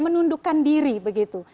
menundukkan diri begitu